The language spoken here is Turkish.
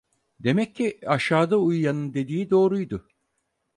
Demek ki aşağıda uyuyanın dediği doğruydu.